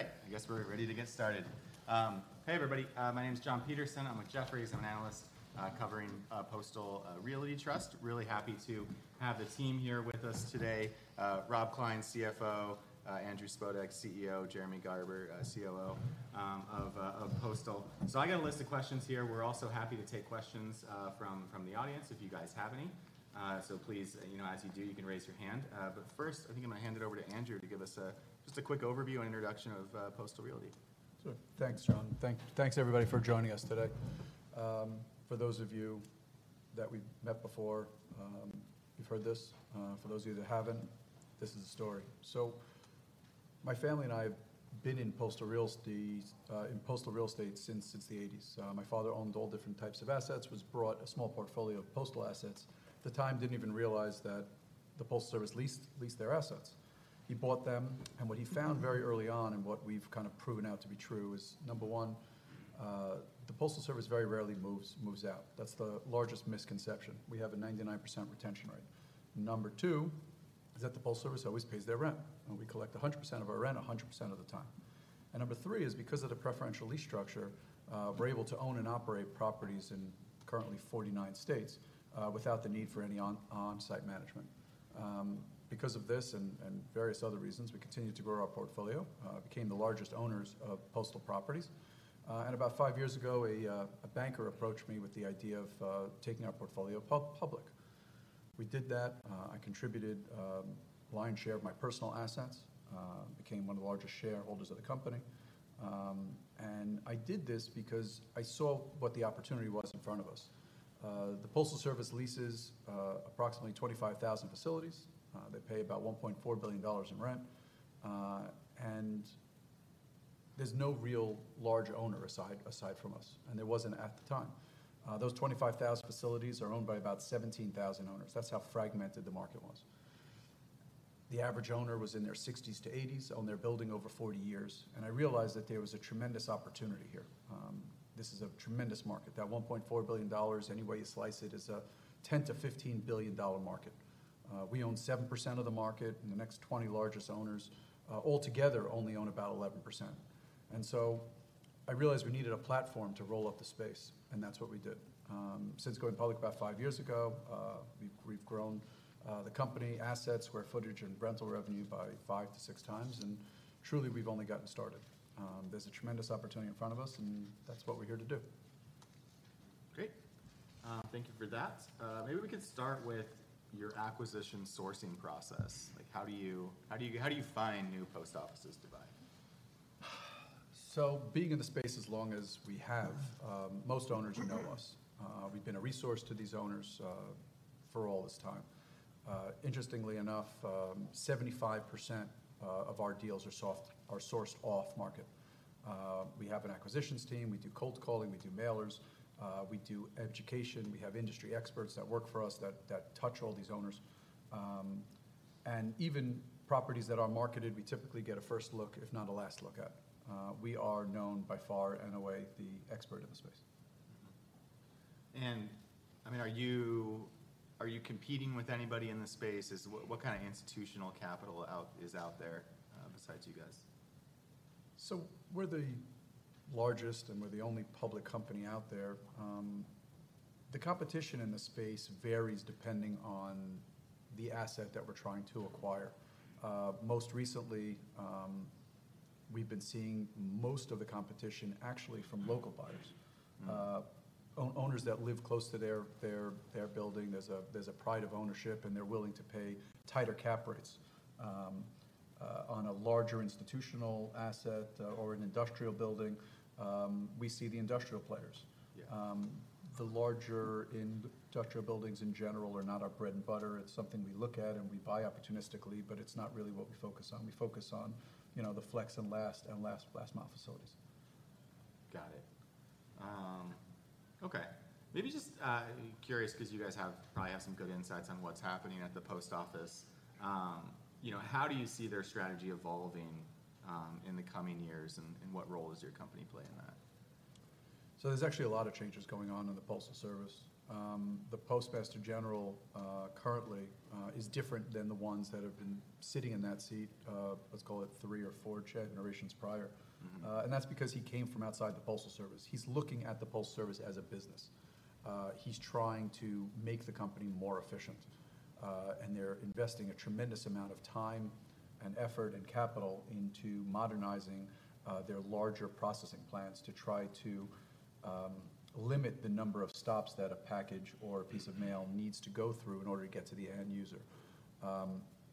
All right, I guess we're ready to get started. Hey, everybody. My name is Jon Petersen. I'm with Jefferies. I'm an analyst covering Postal Realty Trust. Really happy to have the team here with us today. Rob Klein, CFO, Andrew Spodek, CEO, Jeremy Garber, COO of Postal. So I got a list of questions here. We're also happy to take questions from the audience, if you guys have any. So please, you know, as you do, you can raise your hand. But first, I think I'm gonna hand it over to Andrew to give us just a quick overview and introduction of Postal Realty. Sure. Thanks, Jon. Thanks, everybody, for joining us today. For those of you that we've met before, you've heard this. For those of you that haven't, this is the story. So my family and I have been in postal real estate since the 1980s. My father owned all different types of assets, bought a small portfolio of postal assets. At the time, didn't even realize that the Postal Service leased their assets. He bought them, and what he found very early on, and what we've kind of proven out to be true, is, number one, the Postal Service very rarely moves out. That's the largest misconception. We have a 99% retention rate. Number two is that the Postal Service always pays their rent, and we collect 100% of our rent 100% of the time. Number three is because of the preferential lease structure, we're able to own and operate properties in currently 49 states without the need for any on-site management. Because of this and various other reasons, we continued to grow our portfolio, became the largest owners of postal properties. And about five years ago, a banker approached me with the idea of taking our portfolio public. We did that. I contributed lion's share of my personal assets, became one of the largest shareholders of the company. And I did this because I saw what the opportunity was in front of us. The Postal Service leases approximately 25,000 facilities. They pay about $1.4 billion in rent, and there's no real large owner aside, aside from us, and there wasn't at the time. Those 25,000 facilities are owned by about 17,000 owners. That's how fragmented the market was. The average owner was in their 60s-80s, owned their building over 40 years, and I realized that there was a tremendous opportunity here. This is a tremendous market. That $1.4 billion, any way you slice it, is a $10 billion-$15 billion market. We own 7% of the market, and the next 20 largest owners, altogether only own about 11%. And so I realized we needed a platform to roll up the space, and that's what we did. Since going public about five years ago, we've grown the company assets, square footage, and rental revenue by five-6 times, and truly, we've only gotten started. There's a tremendous opportunity in front of us, and that's what we're here to do. Great. Thank you for that. Maybe we could start with your acquisition sourcing process. Like, how do you find new post offices to buy? So being in the space as long as we have, most owners know us. We've been a resource to these owners for all this time. Interestingly enough, 75% of our deals are sourced off-market. We have an acquisitions team. We do cold calling, we do mailers, we do education. We have industry experts that work for us that touch all these owners. And even properties that are marketed, we typically get a first look, if not a last look at. We are known by far and away the expert in the space. Mm-hmm. And I mean, are you, are you competing with anybody in the space? What kind of institutional capital is out there, besides you guys? So we're the largest, and we're the only public company out there. The competition in the space varies depending on the asset that we're trying to acquire. Most recently, we've been seeing most of the competition actually from local buyers. Owners that live close to their building, there's a pride of ownership, and they're willing to pay tighter cap rates. On a larger institutional asset, or an industrial building, we see the industrial players. Yeah. The larger industrial buildings, in general, are not our bread and butter. It's something we look at, and we buy opportunistically, but it's not really what we focus on. We focus on, you know, the flex and last-mile facilities. Got it. Okay. Maybe just curious, 'cause you guys probably have some good insights on what's happening at the post office. You know, how do you see their strategy evolving in the coming years, and what role does your company play in that? There's actually a lot of changes going on in the Postal Service. The Postmaster General, currently, is different than the ones that have been sitting in that seat, let's call it three or four generations prior. That's because he came from outside the Postal Service. He's looking at the Postal Service as a business. He's trying to make the company more efficient, and they're investing a tremendous amount of time and effort and capital into modernizing their larger processing plants to try to limit the number of stops that a package or a piece of mail needs to go through in order to get to the end user.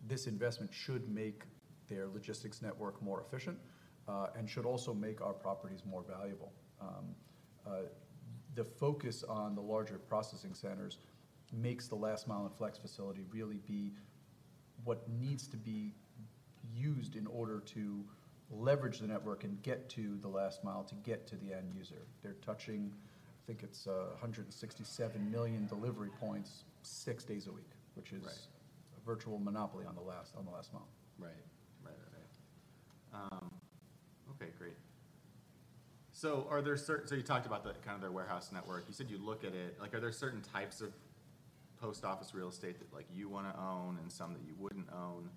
This investment should make their logistics network more efficient, and should also make our properties more valuable. The focus on the larger processing centers makes the last mile and flex facility really be what needs to be used in order to leverage the network and get to the last mile to get to the end user. They're touching, I think it's, 167 million delivery points six days a week- Right... which is a virtual monopoly on the last-mile. Right. Right, right, right. Okay, great. So you talked about the, kind of, their warehouse network. You said you look at it. Like, are there certain types of post office real estate that, like, you want to own and some that you wouldn't own?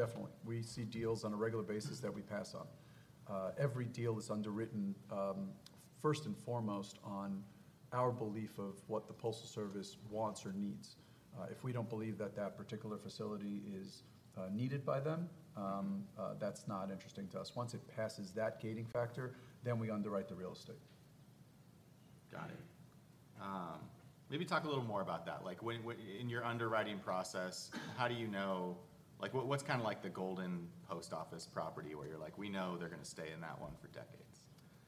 Definitely. We see deals on a regular basis that we pass on. Every deal is underwritten, first and foremost, on our belief of what the Postal Service wants or needs. If we don't believe that that particular facility is needed by them, that's not interesting to us. Once it passes that gating factor, then we underwrite the real estate. Got it. Maybe talk a little more about that. Like, when... In your underwriting process, how do you know- Like, what, what's kinda like the golden post office property, where you're like, "We know they're gonna stay in that one for decades?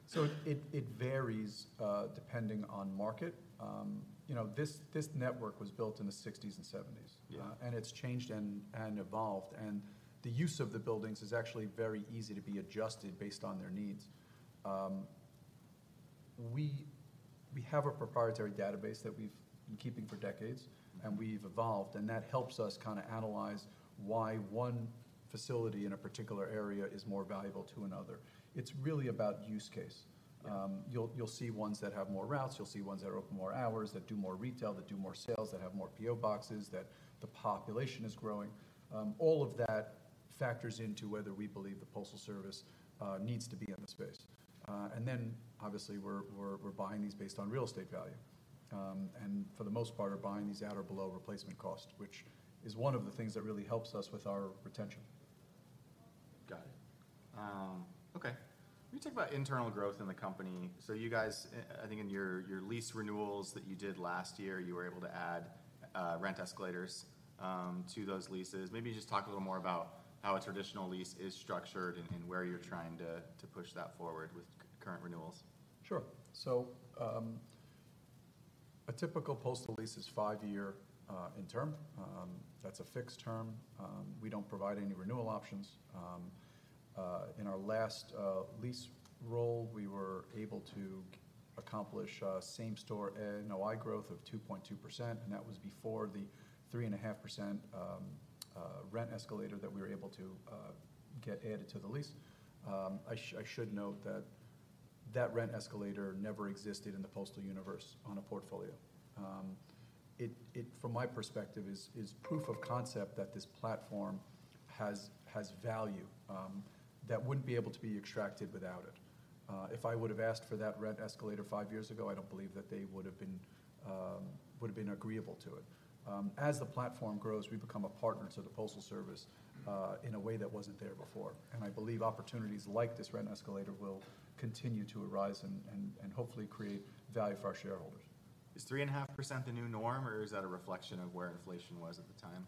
So it varies, depending on market. You know, this network was built in the 1960s and 1970s. Yeah. It's changed and evolved, and the use of the buildings is actually very easy to be adjusted based on their needs. We have a proprietary database that we've been keeping for decades And we've evolved, and that helps us kinda analyze why one facility in a particular area is more valuable to another. It's really about use case. Yeah. You'll see ones that have more routes, you'll see ones that are open more hours, that do more retail, that do more sales, that have more P.O. boxes, that the population is growing. All of that factors into whether we believe the Postal Service needs to be in the space. And then, obviously, we're buying these based on real estate value. And for the most part, are buying these at or below replacement cost, which is one of the things that really helps us with our retention. Got it. Okay. Can you talk about internal growth in the company? So you guys, I think in your lease renewals that you did last year, you were able to add rent escalators to those leases. Maybe just talk a little more about how a traditional lease is structured and where you're trying to push that forward with current renewals. Sure. So, a typical postal lease is five-year in term. That's a fixed term. We don't provide any renewal options. In our last lease roll, we were able to accomplish same-store NOI growth of 2.2%, and that was before the 3.5% rent escalator that we were able to get added to the lease. I should note that that rent escalator never existed in the postal universe on a portfolio. It, from my perspective, is proof of concept that this platform has value that wouldn't be able to be extracted without it. If I would've asked for that rent escalator five years ago, I don't believe that they would've been agreeable to it. As the platform grows, we become a partner to the Postal Service in a way that wasn't there before. I believe opportunities like this rent escalator will continue to arise and hopefully create value for our shareholders. Is 3.5% the new norm, or is that a reflection of where inflation was at the time?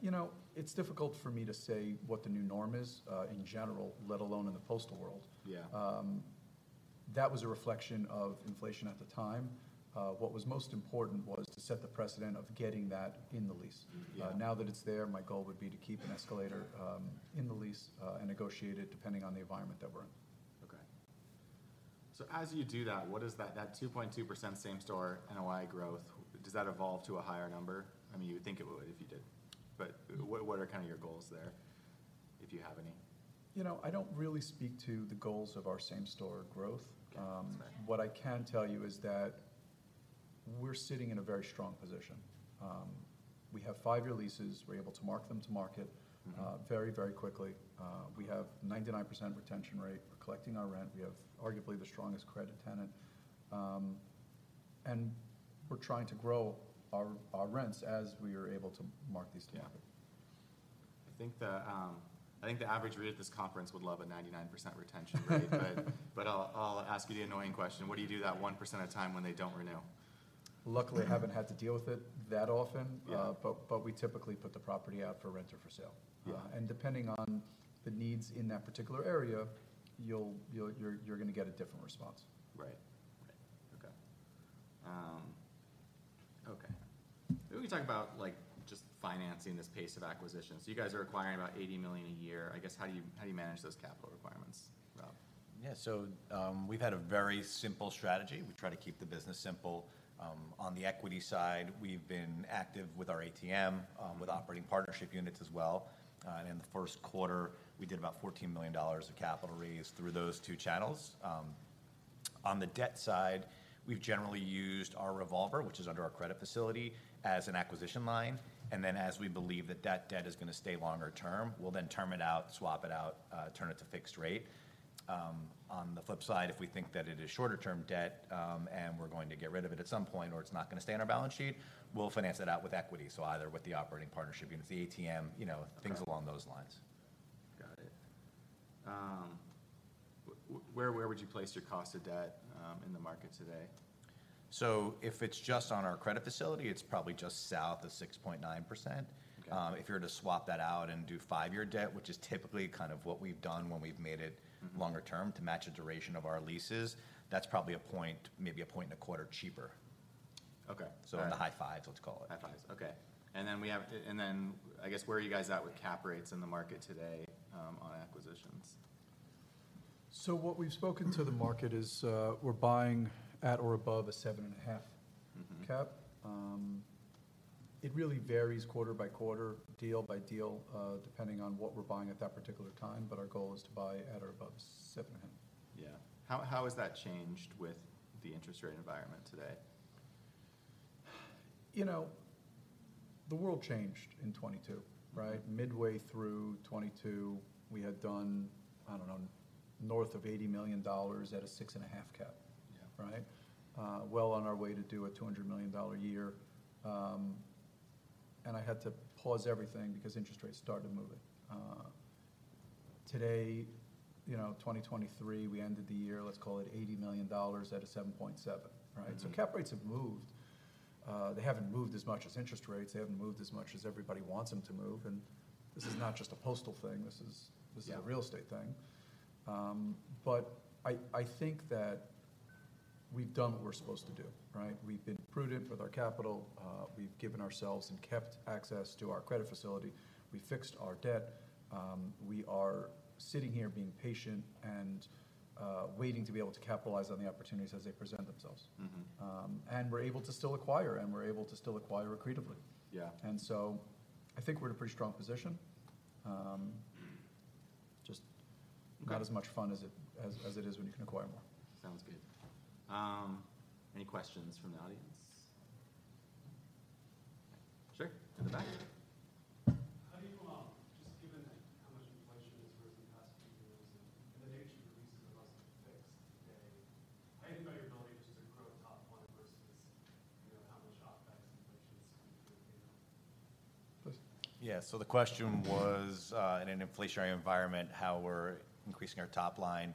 You know, it's difficult for me to say what the new norm is, in general, let alone in the postal world. Yeah. That was a reflection of inflation at the time. What was most important was to set the precedent of getting that in the lease. Mm-hmm. Yeah. Now that it's there, my goal would be to keep an escalator in the lease and negotiate it depending on the environment that we're in. Okay. So as you do that, what is that, that 2.2% same-store NOI growth, does that evolve to a higher number? I mean, you would think it would if you did. But what, what are kind of your goals there, if you have any? You know, I don't really speak to the goals of our same-store growth. Yeah. That's fine. What I can tell you is that we're sitting in a very strong position. We have five-year leases. We're able to mark them to market very, very quickly. We have 99% retention rate. We're collecting our rent. We have arguably the strongest credit tenant. And we're trying to grow our rents as we are able to mark these to market. Yeah. I think the average reader at this conference would love a 99% retention rate. But I'll ask you the annoying question: What do you do that 1% of the time when they don't renew? Luckily, I haven't had to deal with it that often. Yeah. But we typically put the property out for rent or for sale. Yeah. And depending on the needs in that particular area, you're gonna get a different response. Right. Right. Okay. Okay. Maybe we can talk about, like, just financing this pace of acquisition. So you guys are acquiring about $80 million a year. I guess, how do you, how do you manage those capital requirements, Rob? Yeah. So, we've had a very simple strategy. We try to keep the business simple. On the equity side, we've been active with our ATM, with operating partnership units as well. In the first quarter, we did about $14 million of capital raise through those two channels. On the debt side, we've generally used our revolver, which is under our credit facility, as an acquisition line, and then, as we believe that that debt is gonna stay longer term, we'll then term it out, swap it out, turn it to fixed rate. On the flip side, if we think that it is shorter-term debt, and we're going to get rid of it at some point, or it's not gonna stay on our balance sheet, we'll finance it out with equity, so either with the operating partnership units, the ATM, you know- Right... things along those lines. Got it. Where, where would you place your cost of debt in the market today? If it's just on our credit facility, it's probably just south of 6.9%. Okay. If you were to swap that out and do five-year debt, which is typically kind of what we've done when we've made it longer term, to match the duration of our leases, that's probably 1 point, maybe 1.25 points cheaper. Okay. All right. So in the high fives, let's call it. High fives. Okay. And then, I guess, where are you guys at with cap rates in the market today, on acquisitions? So what we've spoken to the market is, we're buying at or above a 7.5 cap. It really varies quarter-by-quarter, deal by deal, depending on what we're buying at that particular time, but our goal is to buy at or above 7.5. Yeah. How has that changed with the interest rate environment today? You know, the world changed in 2022, right? Midway through 2022, we had done, I don't know, north of $80 million at a 6.5 cap. Yeah. Right? Well on our way to do a $200 million year. And I had to pause everything because interest rates started moving. Today, you know, 2023, we ended the year, let's call it $80 million at a 7.7, right? Cap rates have moved. They haven't moved as much as interest rates. They haven't moved as much as everybody wants them to move, and this is not just a postal thing. This is- Yeah... this is a real estate thing. But I, I think that we've done what we're supposed to do, right? We've been prudent with our capital. We've given ourselves and kept access to our credit facility. We fixed our debt. We are sitting here being patient and waiting to be able to capitalize on the opportunities as they present themselves. And we're able to still acquire accretively. Yeah. I think we're in a pretty strong position. Okay... not as much fun as it is when you can acquire more. Sounds good. Any questions from the audience? Sure. In the back. How do you, just given how much inflation has grown in the past few years and the nature of the leases are less fixed today, how do you go about your ability just to grow top line versus, you know, how much OpEx inflation is? Please. Yeah. So the question was, in an inflationary environment, how we're increasing our top line,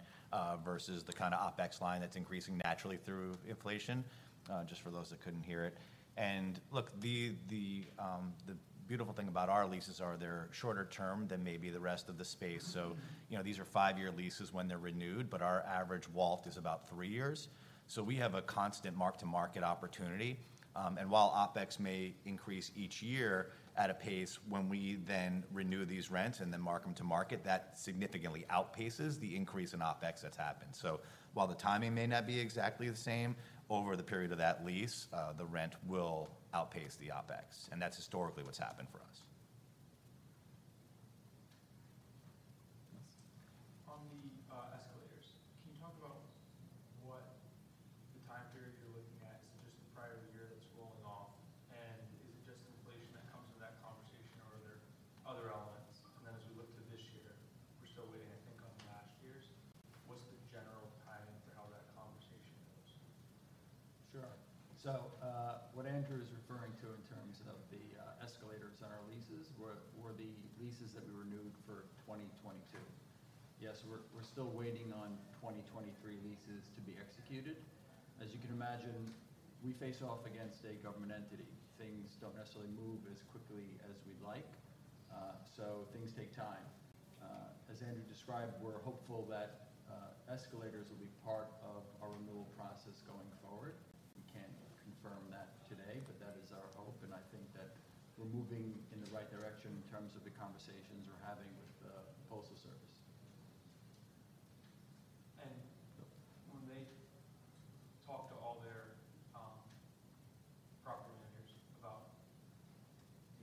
versus the kind of OpEx line that's increasing naturally through inflation. Just for those that couldn't hear it. And look, the beautiful thing about our leases are they're shorter term than maybe the rest of the space. So, you know, these are five-year leases when they're renewed, but our average WALT is about three years. So we have a constant mark-to-market opportunity. And while OpEx may increase each year at a pace, when we then renew these rents and then mark them to market, that significantly outpaces the increase in OpEx that's happened. So while the timing may not be exactly the same, over the period of that lease, the rent will outpace the OpEx, and that's historically what's happened for us. On the escalators, can you talk about what the time period you're looking at? Is it just the prior year that's rolling off, and is it just inflation that comes with that conversation or are there other elements? And then as we look to this year, we're still waiting, I think, on last year's. What's the general timing for how that conversation goes? Sure. So, what Andrew is referring to in terms of the, escalators on our leases were, were the leases that we renewed for 2022. Yes, we're, we're still waiting on 2023 leases to be executed. As you can imagine, we face off against a government entity. Things don't necessarily move as quickly as we'd like, so things take time. As Andrew described, we're hopeful that, escalators will be part of our renewal process going forward. We can't confirm that today, but that is our hope, and I think that we're moving in the right direction in terms of the conversations we're having with the Postal Service. When they talk to all their property managers about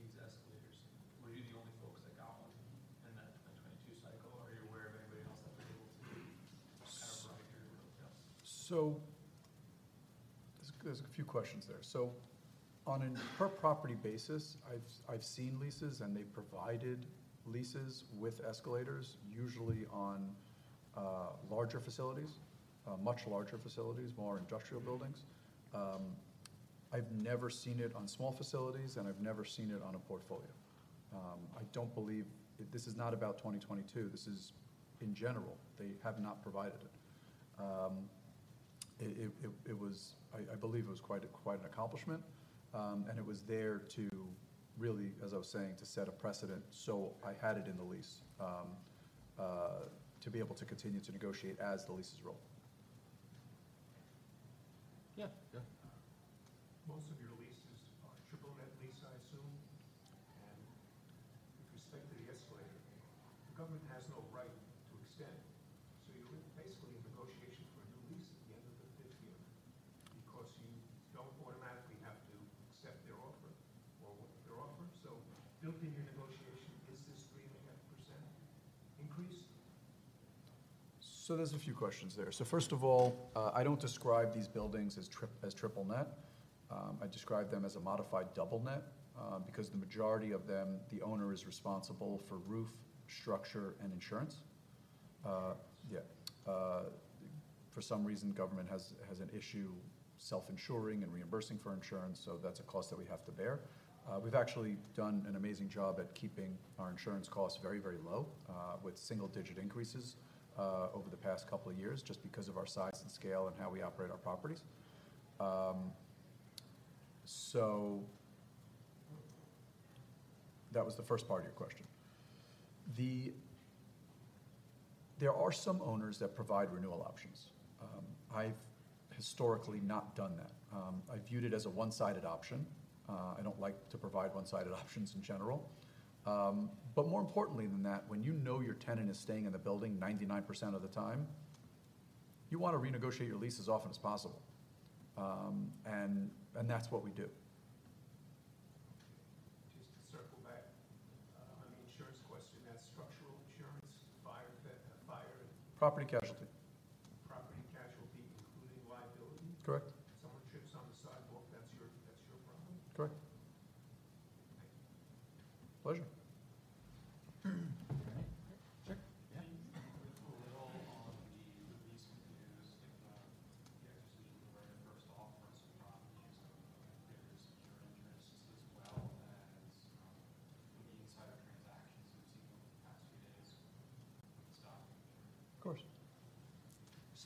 these escalators, were you the only folks that got one in that 22 cycle, or are you aware of anybody else that was able to kind of provide your... Yes. So there's a few questions there. So on a per property basis, I've seen leases, and they provided leases with escalators, usually on larger facilities, much larger facilities, more industrial buildings. I've never seen it on small facilities, and I've never seen it on a portfolio. I don't believe... This is not about 2022; this is in general. They have not provided it. It was quite an accomplishment, and it was there to really, as I was saying, to set a precedent. So I had it in the lease to be able to continue to negotiate as the leases roll. Yeah. Yeah. Most of your leases are triple net lease, I assume, and with respect to the escalator, the government has no right to extend. So you're basically in negotiations for a new lease at the end of the fifth year because you don't automatically have to accept their offer or their offer. So built in your negotiation, is this 3.5% increase? So there's a few questions there. First of all, I don't describe these buildings as triple net. I describe them as a modified double net, because the majority of them, the owner is responsible for roof, structure, and insurance. Yeah, for some reason, government has an issue self-insuring and reimbursing for insurance, so that's a cost that we have to bear. We've actually done an amazing job at keeping our insurance costs very, very low, with single-digit increases, over the past couple of years, just because of our size and scale and how we operate our properties. So that was the first part of your question. There are some owners that provide renewal options. I've historically not done that. I viewed it as a one-sided option. I don't like to provide one-sided options in general. But more importantly than that, when you know your tenant is staying in the building 99% of the time. You want to renegotiate your lease as often as possible. And that's what we do. Just to circle back, on the insurance question, that's structural insurance, fire, fire- Property casualty.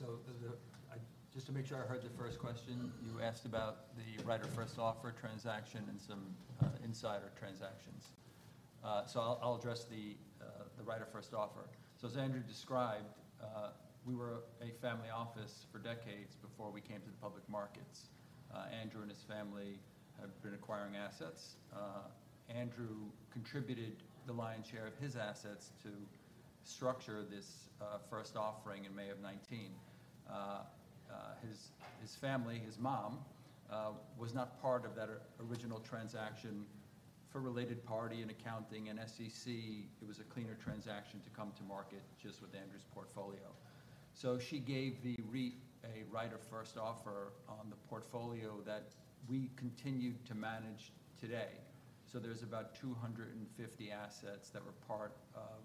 Property casualty, including liability? Correct. Someone trips on the sidewalk, that's your problem? Correct. Thank you. Pleasure. Okay. Sure. Yeah. Can you go at all on the lease canoes and, yeah, just the right of first offer on some properties, there is your interest as well as the insider transactions we've seen over the past few days with stock? Of course. So, just to make sure I heard the first question, you asked about the right of first offer transaction and some insider transactions. So I'll address the right of first offer. So as Andrew described, we were a family office for decades before we came to the public markets. Andrew and his family have been acquiring assets. Andrew contributed the lion's share of his assets to structure this first offering in May of 2019. His family, his mom, was not part of that original transaction. For related party and accounting and SEC, it was a cleaner transaction to come to market just with Andrew's portfolio. So she gave the REIT a right of first offer on the portfolio that we continue to manage today. So there's about 250 assets that were part of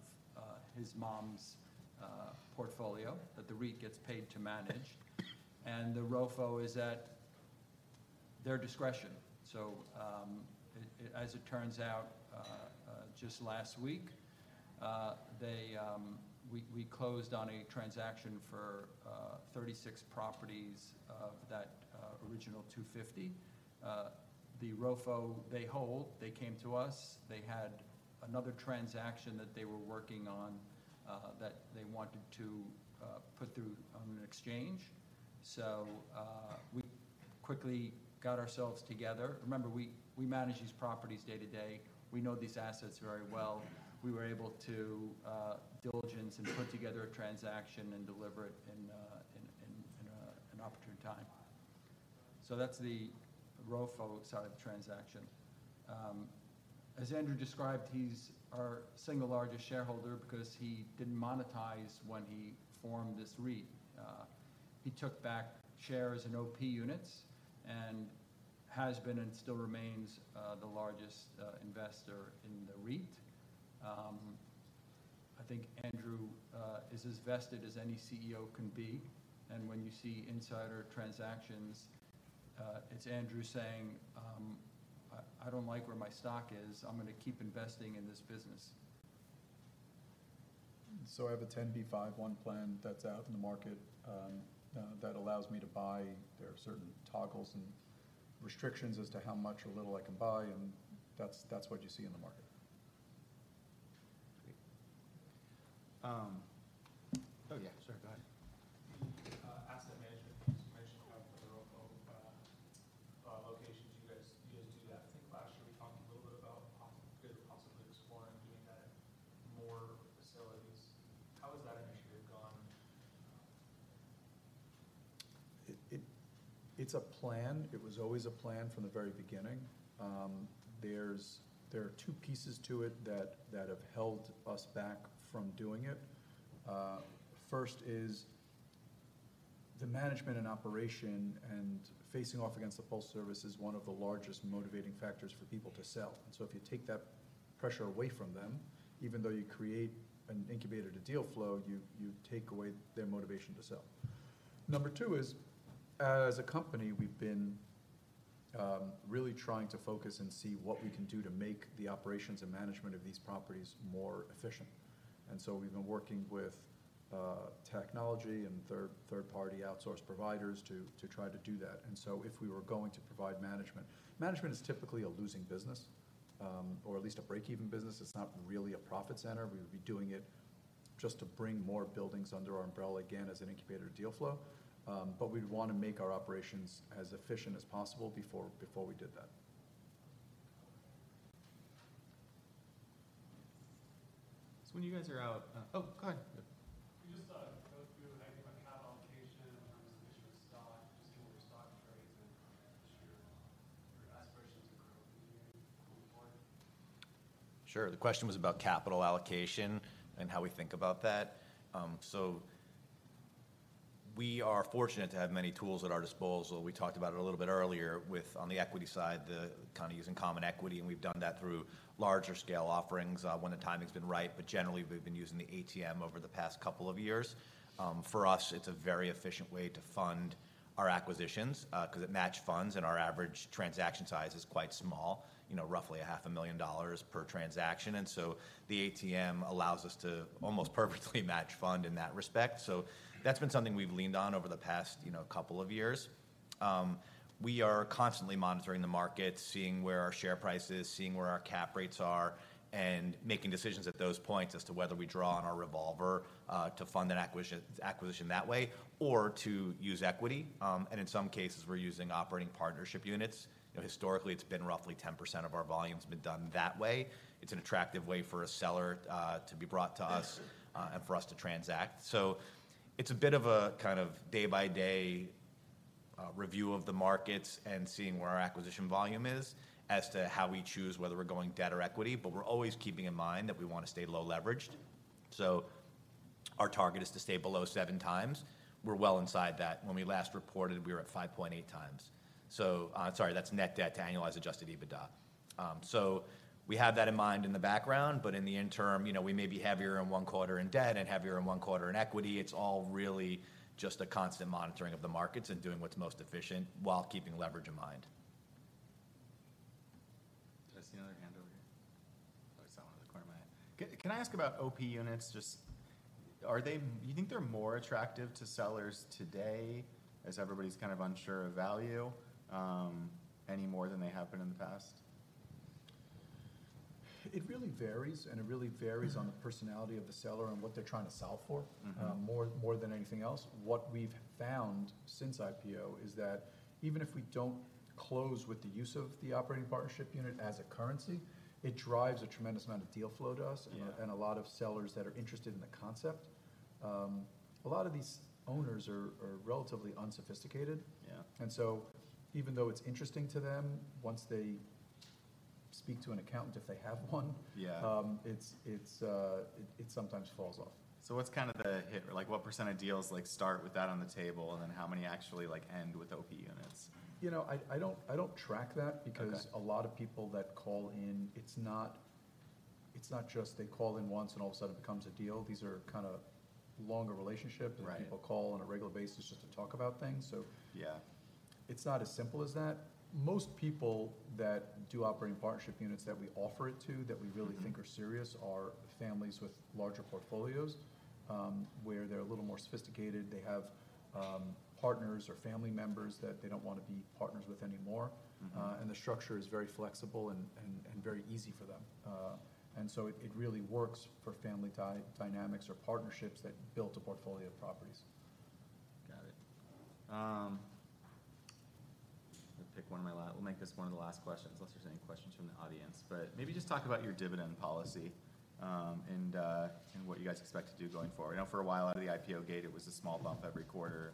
his mom's portfolio that the REIT gets paid to manage, and the ROFO is at their discretion. So, as it turns out, just last week, they. We closed on a transaction for 36 properties of that original 250. The ROFO they hold, they came to us, they had another transaction that they were working on that they wanted to put through on an exchange. So, we quickly got ourselves together. Remember, we manage these properties day-to-day. We know these assets very well. We were able to diligence and put together a transaction and deliver it in an opportune time. So that's the ROFO side of the transaction. As Andrew described, he's our single largest shareholder because he didn't monetize when he formed this REIT. He took back shares in OP units and has been and still remains the largest investor in the REIT. I think Andrew is as vested as any CEO can be, and when you see insider transactions, it's Andrew saying, "I don't like where my stock is. I'm gonna keep investing in this business. So I have a 10b5-1 plan that's out in the market that allows me to buy. There are certain toggles and restrictions as to how much or little I can buy, and that's what you see in the market. Great. Oh, yeah, sir, go ahead. Asset management, you mentioned about the ROFO locations. You guys, you guys do that. I think last year we talked a little bit about you possibly exploring looking at more facilities. How has that initiative gone? It's a plan. It was always a plan from the very beginning. There are two pieces to it that have held us back from doing it. First is the management and operation, and facing off against the full service is one of the largest motivating factors for people to sell. And so if you take that pressure away from them, even though you create and incubated a deal flow, you take away their motivation to sell. Number two is, as a company, we've been really trying to focus and see what we can do to make the operations and management of these properties more efficient. And so we've been working with technology and third-party outsource providers to try to do that. And so if we were going to provide management. Management is typically a losing business, or at least a break-even business. It's not really a profit center. We would be doing it just to bring more buildings under our umbrella, again, as an incubator deal flow. But we'd want to make our operations as efficient as possible before we did that. So when you guys are out... Oh, go ahead. Yeah. Can you just, go through the capital allocation in terms of issuance of stock, just given where stock trades in this year? Your aspirations are currently moving forward. Sure. The question was about capital allocation and how we think about that. So we are fortunate to have many tools at our disposal. We talked about it a little bit earlier with, on the equity side, the kinda using common equity, and we've done that through larger scale offerings, when the timing's been right. But generally, we've been using the ATM over the past couple of years. For us, it's a very efficient way to fund our acquisitions, 'cause it matched funds, and our average transaction size is quite small, you know, roughly $500,000 per transaction. And so the ATM allows us to almost perfectly match fund in that respect. So that's been something we've leaned on over the past, you know, couple of years. We are constantly monitoring the market, seeing where our share price is, seeing where our cap rates are, and making decisions at those points as to whether we draw on our revolver to fund an acquisition that way or to use equity. In some cases, we're using operating partnership units. You know, historically, it's been roughly 10% of our volume's been done that way. It's an attractive way for a seller to be brought to us and for us to transact. So it's a bit of a kind of day-by-day review of the markets and seeing where our acquisition volume is, as to how we choose whether we're going debt or equity. But we're always keeping in mind that we want to stay low leveraged. So our target is to stay below 7 times. We're well inside that. When we last reported, we were at 5.8 times. So, sorry, that's net debt to annualized Adjusted EBITDA. So we have that in mind in the background, but in the interim, you know, we may be heavier in one quarter in debt and heavier in one quarter in equity. It's all really just a constant monitoring of the markets and doing what's most efficient while keeping leverage in mind. Did I see another hand over here? Oh, I saw one in the corner of my eye. Can I ask about OP units? Just, are they— Do you think they're more attractive to sellers today, as everybody's kind of unsure of value, any more than they have been in the past? It really varies, and it really varies on the personality of the seller and what they're trying to sell for more, more than anything else. What we've found since IPO is that even if we don't close with the use of the operating partnership unit as a currency, it drives a tremendous amount of deal flow to us- Yeah... and a lot of sellers that are interested in the concept. A lot of these owners are relatively unsophisticated. Yeah. Even though it's interesting to them, once they speak to an accountant, if they have one, Yeah. It sometimes falls off. So what's kind of the hit—like, what percent of deals like start with that on the table, and then how many actually like end with OP units? You know, I don't track that- Okay... because a lot of people that call in, it's not, it's not just they call in once, and all of a sudden it becomes a deal. These are kind of longer relationship. Right. People call on a regular basis just to talk about things so- Yeah. It's not as simple as that. Most people that do operating partnership units that we offer it to, that we really think are serious, are families with larger portfolios, where they're a little more sophisticated. They have, partners or family members that they don't want to be partners with anymore. The structure is very flexible and very easy for them. And so it really works for family dynamics or partnerships that built a portfolio of properties. Got it. Let me pick one of my last... We'll make this one of the last questions, unless there's any questions from the audience. But maybe just talk about your dividend policy, and what you guys expect to do going forward. I know for a while, out of the IPO gate, it was a small bump every quarter.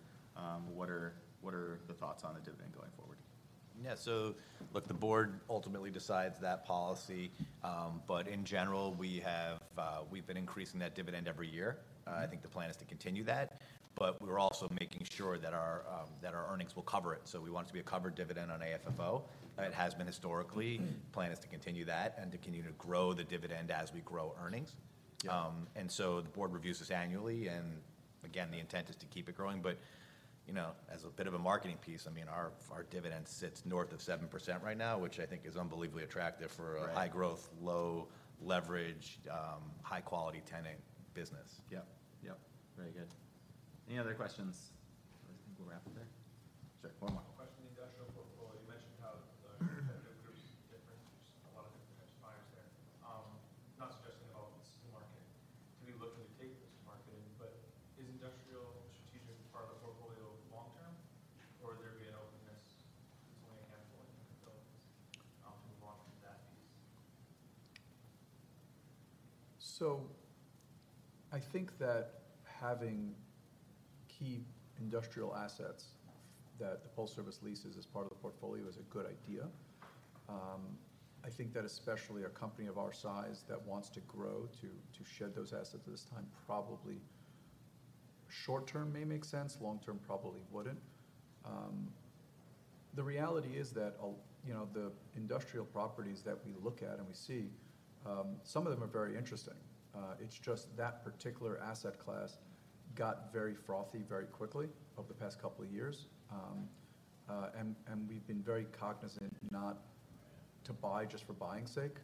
What are the thoughts on the dividend going forward? Yeah. So, look, the board ultimately decides that policy. But in general, we have, we've been increasing that dividend every year. I think the plan is to continue that, but we're also making sure that our earnings will cover it. We want it to be a covered dividend on AFFO. Right. It has been historically. Plan is to continue that and to continue to grow the dividend as we grow earnings. Yeah. and so the board reviews this annually, and again, the intent is to keep it growing. But, you know, as a bit of a marketing piece, I mean, our, our dividend sits north of 7% right now, which I think is unbelievably attractive for a- Right... high growth, low leverage, high quality tenanted business. Yep, yep. Very good. Any other questions? I think we'll wrap up there. Sure, one more. Question on the industrial portfolio. You mentioned how the group is different. There's a lot of different types of buyers there. Not suggesting at all that this is the market to be looking to take this to market, but is industrial strategic part of the portfolio long term? Or would there be an openness to selling a handful of different developments, to move on from that piece? So I think that having key industrial assets that the Postal Service leases as part of the portfolio is a good idea. I think that especially a company of our size that wants to grow, to shed those assets at this time, probably short term may make sense, long term probably wouldn't. The reality is that you know, the industrial properties that we look at and we see, some of them are very interesting. It's just that particular asset class got very frothy very quickly over the past couple of years. And we've been very cognizant not to buy just for buying's sake,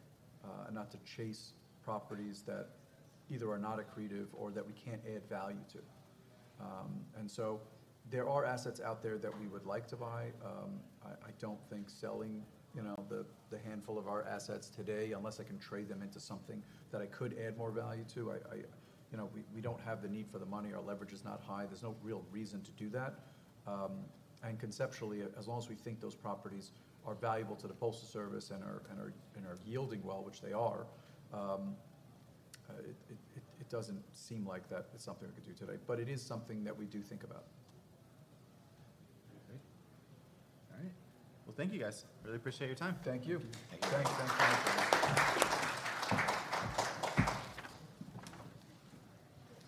and not to chase properties that either are not accretive or that we can't add value to. And so there are assets out there that we would like to buy. I don't think selling, you know, the handful of our assets today, unless I can trade them into something that I could add more value to. You know, we don't have the need for the money. Our leverage is not high. There's no real reason to do that. And conceptually, as long as we think those properties are valuable to the postal service and are yielding well, which they are, it doesn't seem like that is something we could do today. But it is something that we do think about. Great. All right. Well, thank you, guys. Really appreciate your time. Thank you. Thank you. Thanks.